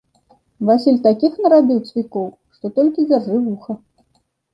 Васіль такіх нарабіў цвікоў, што толькі дзяржы вуха.